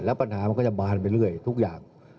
แล้วปัญหามันก็จะบานไปเรื่อยทุกอย่าง